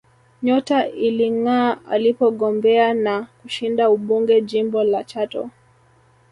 Nyota ilingaa alipogombea na kushinda ubunge jimbo la Chato